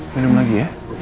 minum lagi ya